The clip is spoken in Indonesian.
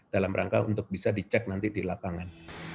dalam rangka untuk bisa dicek nanti di lapangan